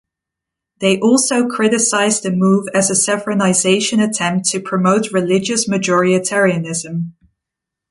They also criticized the move as a saffronization attempt to promote religious majoritarianism.